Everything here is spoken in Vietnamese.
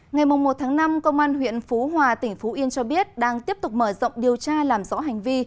ngày một tháng năm công an huyện phú hòa tỉnh phú yên cho biết đang tiếp tục mở rộng điều tra làm rõ hành vi